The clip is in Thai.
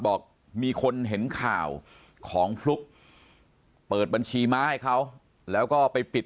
บอกมีคนเห็นข่าวของฟลุ๊กเปิดบัญชีม้าให้เขาแล้วก็ไปปิด